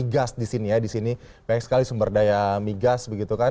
gas di sini ya di sini banyak sekali sumber daya migas begitu kan